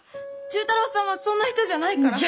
忠太郎さんはそんな人じゃないから。